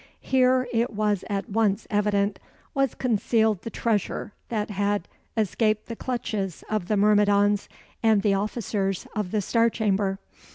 Here, it was at once evident, was concealed the treasure that had escaped the clutches of the myrmidons and the officers of the Star Chamber.